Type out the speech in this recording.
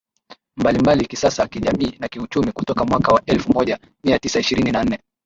mbalimbali kisiasa kijamii na kiuchumi kutoka mwaka wa elfumoja miatisa ishirini na nne